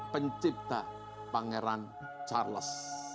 pencipta pangeran charles